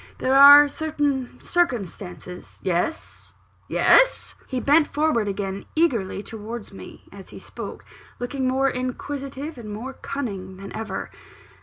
There are certain circumstances " "Yes yes?" He bent forward again eagerly towards me, as he spoke; looking more inquisitive and more cunning than ever.